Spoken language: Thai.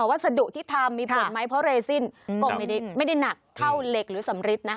วัสดุที่ทำมีผลไหมเพราะเรซินก็ไม่ได้หนักเท่าเหล็กหรือสำริดนะคะ